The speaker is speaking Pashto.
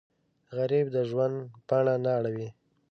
غریب د ژوند پاڼه نه اړوي